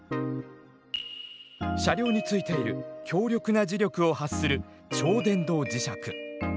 車両についている強力な磁力を発する超電導磁石。